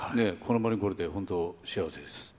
この場に来れて、本当、幸せです。